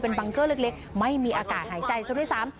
บังเกอร์เล็กไม่มีอากาศหายใจซะด้วยซ้ำ